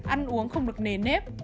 ăn uống không được nề nếp